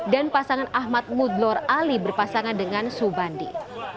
dan pasangan ahmad mudlor ali berpasangan dengan subandi